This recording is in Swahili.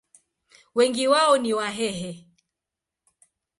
Wengi wao ni Wahehe.